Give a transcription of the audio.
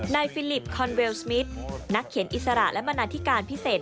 ฟิลิปคอนเวลสมิทนักเขียนอิสระและบรรณาธิการพิเศษ